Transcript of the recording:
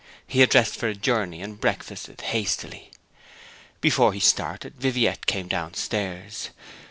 He had dressed for a journey, and breakfasted hastily. Before he had started Viviette came downstairs.